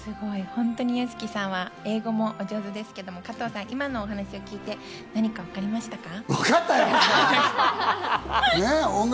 本当にＹＯＳＨＩＫＩさんは英語もお上手ですけれども、加藤さん、今のお話を聞いて何か分かりましたか？